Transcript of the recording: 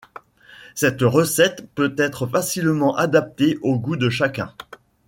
Cette recette peut être facilement adaptée aux goûts de chacun.